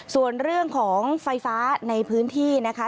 ส่วนเรื่องของไฟฟ้าในพื้นที่นะคะ